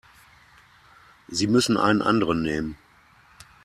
Sie müssen einen anderen nehmen.